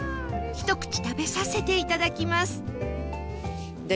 ひと口食べさせていただきます